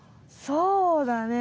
そうだね。